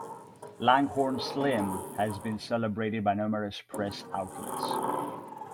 Langhorne Slim has been celebrated by numerous press outlets.